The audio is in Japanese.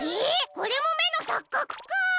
これもめのさっかくか！